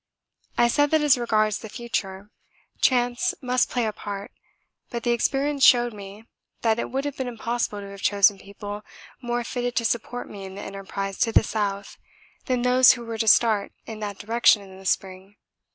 I said that as regards the future, chance must play a part, but that experience showed me that it would have been impossible to have chosen people more fitted to support me in the enterprise to the South than those who were to start in that direction in the spring.